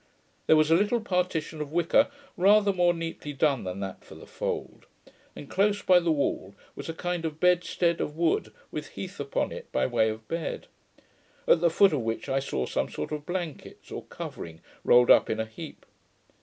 There was a little partition of wicker, rather more neatly done than that for the fold, and close by the wall was a kind of bedstead of wood with heath upon it by way of bed; at the foot of which I saw some sort of blankets or covering rolled up in a heap.